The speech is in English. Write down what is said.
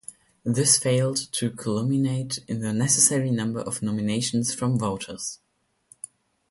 This failed to culminate in the necessary number of nominations from voters.